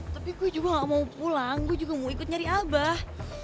tapi gue juga gak mau pulang gue juga mau ikut nyari abah